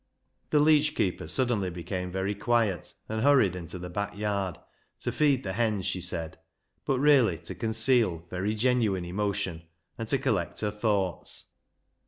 The leech keeper suddenly became very quiet and hurried into the back yard — to feed the hens, she said ; but really to conceal very genuine emotion and to collect her thoughts.